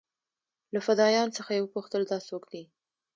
له فدايانو څخه يې وپوښتل دا سوک دې.